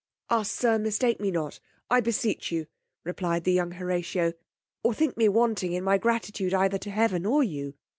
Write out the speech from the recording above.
Ah! sir, mistake me not, I beseech you, replied the young Horatio, or think me wanting in my gratitude either to heaven or you.